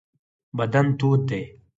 بدن تود دی.